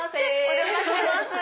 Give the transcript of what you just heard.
お邪魔してます。